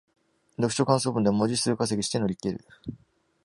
読書感想文で文字数稼ぎして乗り切る